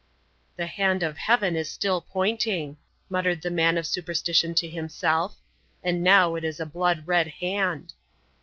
"The hand of Heaven is still pointing," muttered the man of superstition to himself. "And now it is a blood red hand."